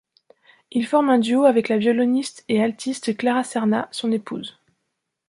Il forme un duo avec la violoniste et altiste Clara Cernat, son épouse.